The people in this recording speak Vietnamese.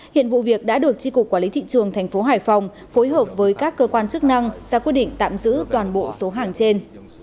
hiện vụ việc đã được tri cục quản lý thị trường thành phố hải phòng phối hợp với các cơ quan chức năng ra quyết định tạm giữ toàn bộ số hàng trên